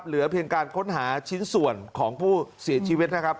เหลือเพียงการค้นหาชิ้นส่วนของผู้เสียชีวิตนะครับ